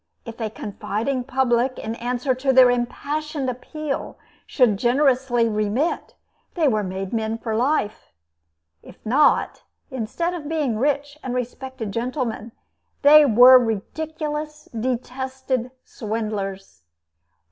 If a confiding public, in answer to their impassioned appeal, should generously remit, they were made men for life. If not, instead of being rich and respected gentlemen, they were ridiculous, detected swindlers.